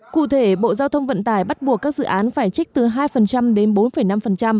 cụ thể bộ giao thông vận tải bắt buộc các dự án phải trích từ hai đến bốn năm